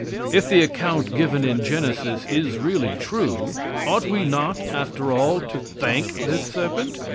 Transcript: If the account given in Genesis is really true, ought we not, after all, to thank this serpent?